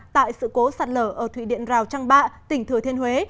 tại sự cố sạt lở ở thụy điện rào trăng bạ tỉnh thừa thiên huế